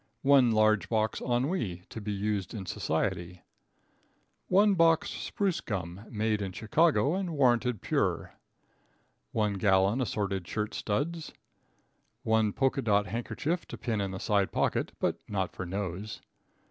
1 Large Box Ennui, to be used in Society. 1 Box Spruce Gum, made in Chicago and warranted pure. 1 Gallon Assorted Shirt Studs. 1 Polka dot Handkerchief to pin in side pocket, but not for nose.